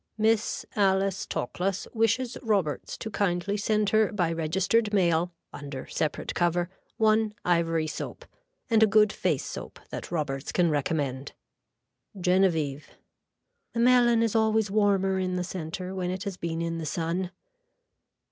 Miss Alice Toklas wishes Roberts to kindly send her by registered mail under separate cover 1 Ivory soap and a good face soap that Roberts can recommend. (Genevieve.) The melon is always warmer in the center when it has been in the sun.